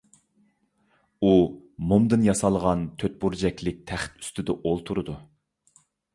ئۇ مومدىن ياسالغان تۆت بۇرجەكلىك تەخت ئۈستىدە ئولتۇرىدۇ.